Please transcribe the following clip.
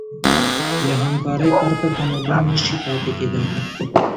له همکارۍ پرته تمدن نهشي پاتې کېدی.